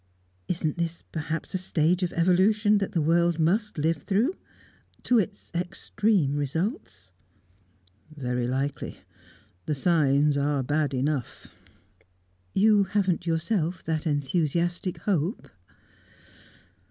"Isn't this perhaps a stage of evolution that the world must live through to its extreme results?" "Very likely. The signs are bad enough." "You haven't yourself that enthusiastic hope?"